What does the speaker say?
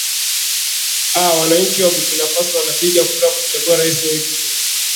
a wananchi wa burkina faso wanapiga kura kumchagua rais wao hivi leo